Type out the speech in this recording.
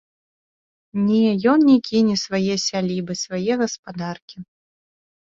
Не, ён не кіне свае сялібы, свае гаспадаркі.